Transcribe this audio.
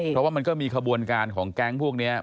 เพราะว่ามันก็มีขบวนการของแก๊งพวกนี้